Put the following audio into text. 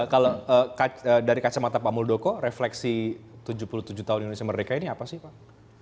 kalau dari kacamata pak muldoko refleksi tujuh puluh tujuh tahun indonesia merdeka ini apa sih pak